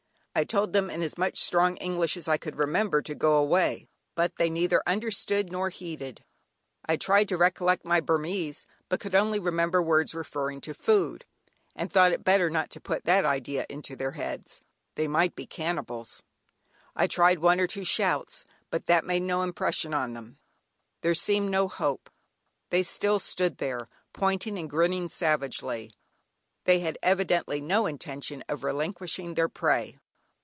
I told them in as much strong English as I could remember, to go away, but they neither understood nor heeded. I tried to recollect my Burmese, but could only remember words referring to food, and thought it better not to put that idea into their heads; they might be cannibals. I tried one or two shouts, but that made no impression on them. There seemed no hope; they still stood there, pointing and grinning savagely; they had evidently no intention of relinquishing their prey.